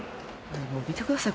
見てください